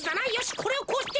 これをこうして。